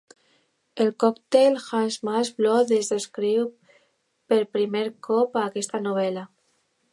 El còctel Hangman's Blood es descriu per primer cop a aquesta novel·la.